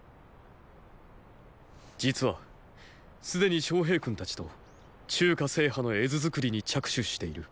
実はすでに昌平君たちと中華制覇の絵図作りに着手している。！